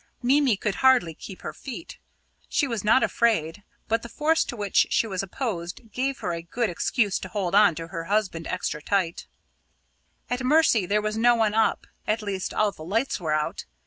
Mimi could hardly keep her feet. She was not afraid; but the force to which she was opposed gave her a good excuse to hold on to her husband extra tight. At Mercy there was no one up at least, all the lights were out.